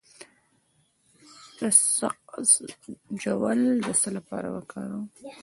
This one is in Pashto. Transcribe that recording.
د سقز ژوول د څه لپاره وکاروم؟